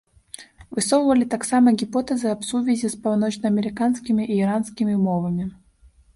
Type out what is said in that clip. Высоўвалі таксама гіпотэзы аб сувязі з паўночнаамерыканскімі і іранскімі мовамі.